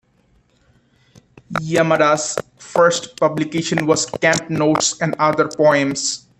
Yamada's first publication was Camp Notes and Other Poems.